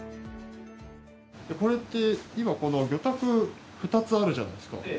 これって今この魚拓２つあるじゃないですか。